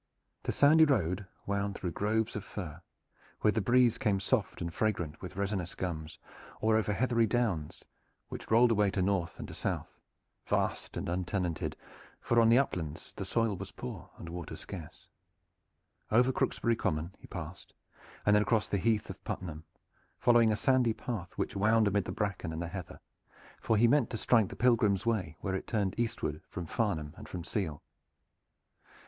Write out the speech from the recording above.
The sandy road wound through groves of fir, where the breeze came soft and fragrant with resinous gums, or over heathery downs, which rolled away to north and to south, vast and untenanted, for on the uplands the soil was poor and water scarce. Over Crooksbury Common he passed, and then across the great Heath of Puttenham, following a sandy path which wound amid the bracken and the heather, for he meant to strike the Pilgrims' Way where it turned eastward from Farnham and from Seale.